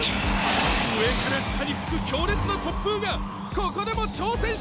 上から下に吹く強烈な突風がここでも挑戦者を苦しめる！